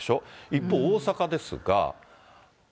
一方、大阪ですが。